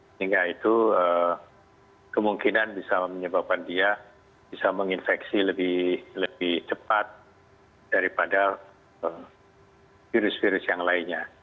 sehingga itu kemungkinan bisa menyebabkan dia bisa menginfeksi lebih cepat daripada virus virus yang lainnya